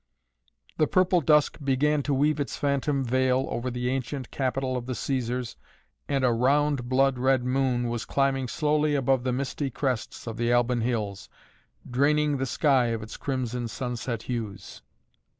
The purple dusk began to weave its phantom veil over the ancient capital of the Cæsars and a round blood red moon was climbing slowly above the misty crests of the Alban Hills, draining the sky of its crimson sunset hues.